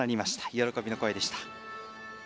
喜びの声でした。